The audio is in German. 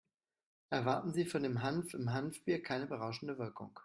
Erwarten Sie von dem Hanf im Hanfbier keine berauschende Wirkung.